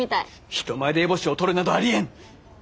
人前で烏帽子を取るなどありえん。